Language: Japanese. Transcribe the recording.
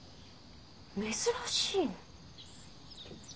珍しいな。